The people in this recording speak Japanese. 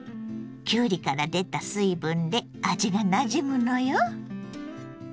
きゅうりから出た水分で味がなじむのよ。